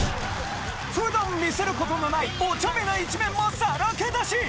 普段見せることのないおちゃめな一面もさらけ出し！